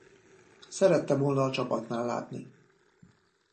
Szerette volna a csapatnál látni.